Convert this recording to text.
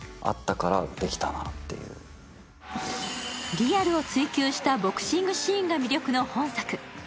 リアルを追求したボクシングシーンが魅力の本作。